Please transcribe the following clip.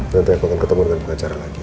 nanti aku akan ketemu dengan pengacara lagi